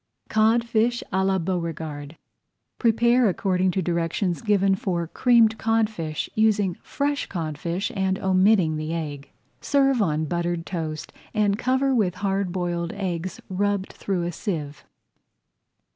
CODFISH À LA BEAUREGARD Prepare according to directions given for Creamed Codfish, using fresh codfish and omitting the egg. Serve on buttered toast and cover with hard boiled eggs rubbed through a sieve.